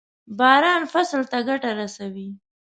باران فصل ته ګټه رسوي.